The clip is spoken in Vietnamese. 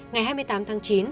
ngày hai mươi tám tháng chín